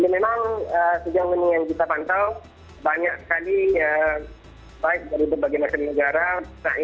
memang sejak menengah kita pantau banyak sekali baik dari berbagai masyarakat negara